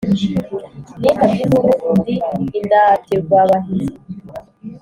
Nitabye induru ndi Indatirwabahizi,